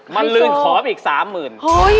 มันลืมขออีกสามหมื่น